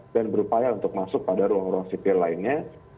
dan berupaya untuk masuk pada ruang ruang sipil lainnya